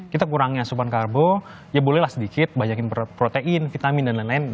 kita kurangi asupan karbo ya bolehlah sedikit banyakin protein vitamin dan lain lain